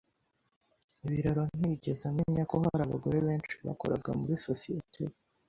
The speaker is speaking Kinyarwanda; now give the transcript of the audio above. Biraro ntiyigeze amenya ko hari abagore benshi bakoraga muri sosiyete ye.